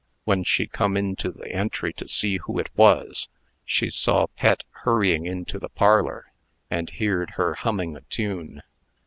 When she come into the entry to see who it was, she saw Pet hurrying into the parlor, and heerd her humming a tune.